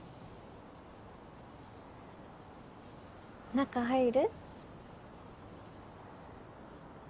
中入る？